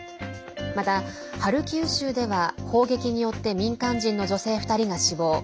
また、ハルキウ州では砲撃によって民間人の女性２人が死亡。